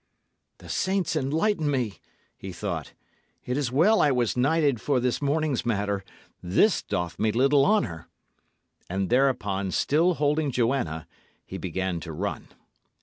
"The saints enlighten me!" he thought. "It is well I was knighted for this morning's matter; this doth me little honour." And thereupon, still holding Joanna, he began to run.